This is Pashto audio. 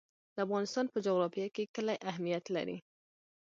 د افغانستان په جغرافیه کې کلي اهمیت لري.